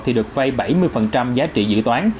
thì được vây bảy mươi giá trị dự toán